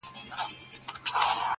زه په مین سړي پوهېږم!!